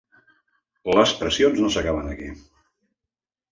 Les pressions no s’acaben aquí.